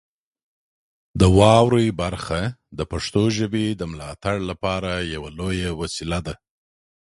د واورئ برخه د پښتو ژبې د ملاتړ لپاره یوه لویه وسیله ده.